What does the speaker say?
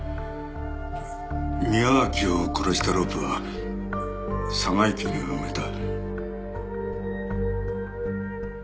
宮脇を殺したロープは嵯峨池に埋めた。